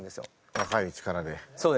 若い力で。